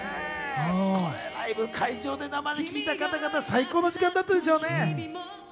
ライブ会場で生で聞いた方々、最高の時間だったでしょうね。